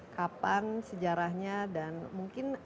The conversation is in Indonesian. kapan sejarahnya dan mungkin